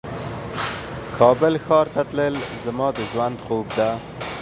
کابل ښار ته تلل زما د ژوند خوب ده